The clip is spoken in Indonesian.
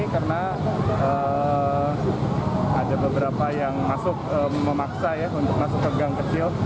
karena ada beberapa yang memaksa untuk masuk ke gang kecil